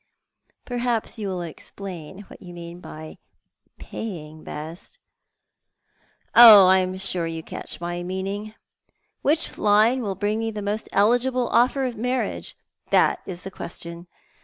"" Perhaps you will explain what you mean by paying best ?"•' Oh, I'm sure you catch my meaning. "Which line will bring me the most eligible offer of marriage? That is the question.